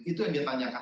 itu yang ditanyakan